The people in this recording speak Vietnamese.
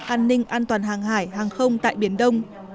an ninh an toàn hàng hải hàng không tại biển đông